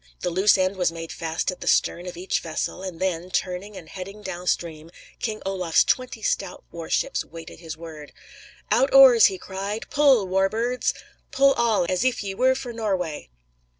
The loose end was made fast at the stern of each vessel, and then, turning and heading down stream, King Olaf's twenty stout war ships waited his word: "Out oars!" he cried; "pull, war birds! Pull all, as if ye were for Norway!"